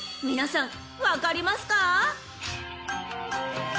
［皆さん分かりますか？］